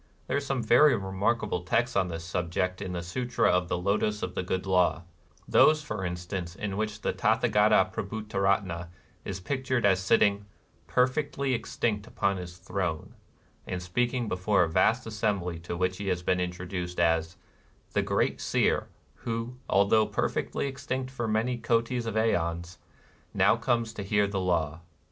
There are some very remark able texts on this subject in the Sutra of the Lotos of the Good Law : those for instance in which the Tathagata Prabhutaratna is pic tured as sitting '^perfectly extinct upon his throne,''^ and speaking before a vast assembly to which he has been introduced as " the great Seer who, although perfectly extinct for many hbtis of ceons, now comes to hear the Law."